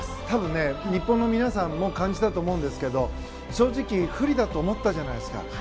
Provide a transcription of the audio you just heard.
多分、日本の皆さんも感じたと思うんですけど正直、不利だと思ったじゃないですか。